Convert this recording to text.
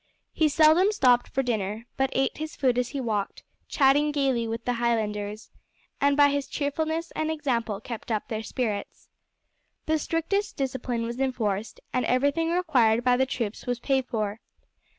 He seldom stopped for dinner, but ate his food as he walked, chatting gaily with the Highlanders, and by his cheerfulness and example kept up their spirits. The strictest discipline was enforced, and everything required by the troops was paid for.